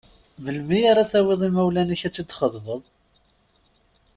Melmi ara tawiḍ imawlan-ik ad tt-id-txeḍbeḍ?